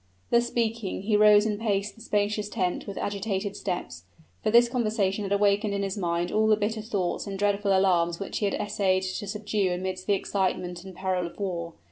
Thus speaking, he rose and paced the spacious tent with agitated steps; for this conversation had awakened in his mind all the bitter thoughts and dreadful alarms which he had essayed to subdue amidst the excitement and peril of war.